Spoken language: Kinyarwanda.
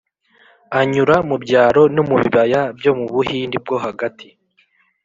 anyura mu byaro no mu bibaya byo mu buhindi bwo hagati